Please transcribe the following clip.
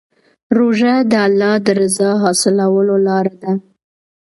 روژه د الله د رضا حاصلولو لاره ده.